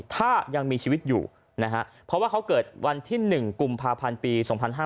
ถ้ายังมีชีวิตอยู่นะฮะเพราะว่าเขาเกิดวันที่๑กุมภาพันธ์ปี๒๕๕๙